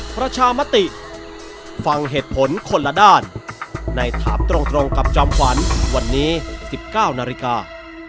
ประชามติฟังเหตุผลคนละด้านในถามตรงกับจอมขวัญวันนี้๑๙นาฬิกา